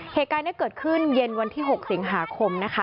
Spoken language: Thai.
เหตุการณ์นี้เกิดขึ้นเย็นวันที่๖สิงหาคมนะคะ